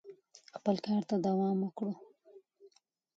خپل کار ته دوام ورکړو.